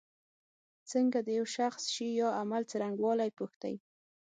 څنګه د یو شخص شي یا عمل څرنګوالی پوښتی.